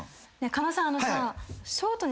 狩野さんあのさ。